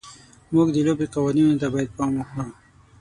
موږ د لوبې قوانینو ته باید پام وکړو.